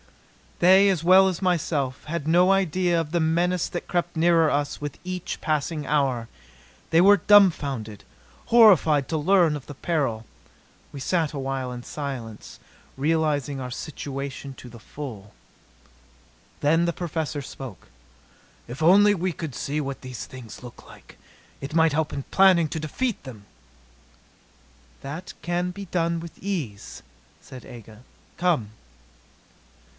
They as well as myself, had had no idea of the menace that crept nearer us with each passing hour. They were dumbfounded, horrified to learn of the peril. We sat awhile in silence, realizing our situation to the full. Then the Professor spoke: "If only we could see what these things look like! It might help in planning to defeat them." "That can be done with ease," said Aga. "Come."